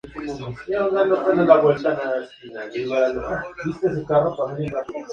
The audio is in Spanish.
Su olor sin ser agradable es aromático; su sabor, vivo y penetrante.